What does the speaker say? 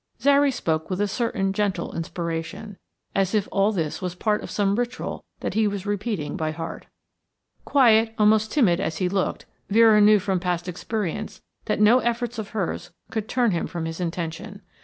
Zary spoke with a certain gentle inspiration, as if all this was part of some ritual that he was repeating by heart. Quiet, almost timid as he looked, Vera knew from past experience that no efforts of hers could turn him from his intention.